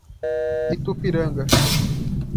Itupiranga